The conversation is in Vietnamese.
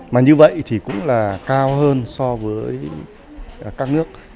mà như vậy thì cũng là cao hơn so với các nước